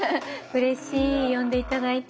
うれしい呼んで頂いて。